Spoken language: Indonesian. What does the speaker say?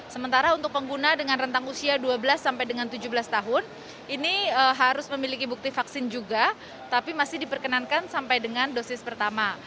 sementara untuk pengguna dengan rentang usia dua belas sampai dengan tujuh belas tahun ini harus memiliki bukti vaksin juga tapi masih diperkenankan sampai dengan dosis pertama